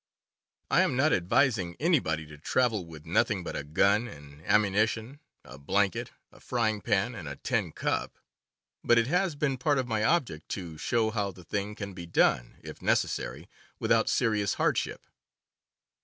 I am not advising anybody to travel with nothing but a gun and ammunition, a blanket, a frying pan, and a tin cup; but it has been part of my object to show how the thing can be done, if necessary, without serious hardship.